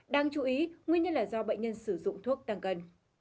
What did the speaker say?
đang chú ý nguyên nhân là do bệnh nhân sử dụng thuốc tăng cân